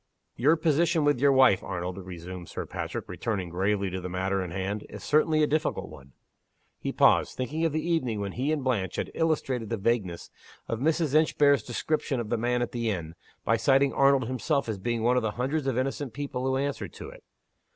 "Your position with your wife, Arnold," resumed Sir Patrick, returning gravely to the matter in hand, "is certainly a difficult one." He paused, thinking of the evening when he and Blanche had illustrated the vagueness of Mrs. Inchbare's description of the man at the inn, by citing Arnold himself as being one of the hundreds of innocent people who answered to it!